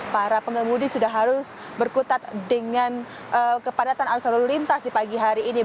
para pengemudi sudah harus berkutat dengan kepadatan arus lalu lintas di pagi hari ini